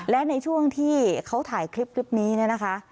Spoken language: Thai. และในช่วงที่เขาถ่ายคลิปนี้เนี่ยนะคะ